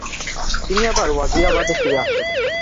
তিনি আবার ওয়াজিরাবাদে ফিরে আসেন।